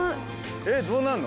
えっどうなんの？